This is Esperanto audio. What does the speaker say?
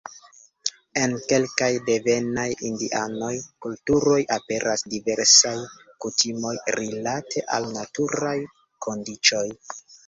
En kelkaj devenaj indianaj kulturoj aperas diversaj kutimoj rilate al naturaj kondiĉoj.